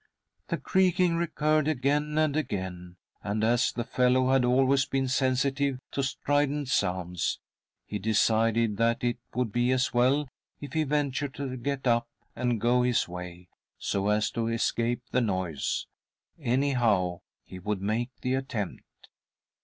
The creaking recurred again and again, and, as the fellow had always been sensitive to strident sounds, he decided that it .would be as well if he ventured to get up and go his way, so as to escape the noise — anyhow, he would make the attempt